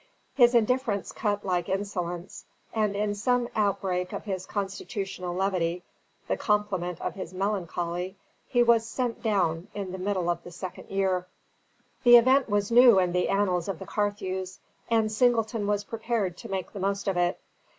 His indifference cut like insolence; and in some outbreak of his constitutional levity (the complement of his melancholy) he was "sent down" in the middle of the second year. The event was new in the annals of the Carthews, and Singleton was prepared to make the most of it.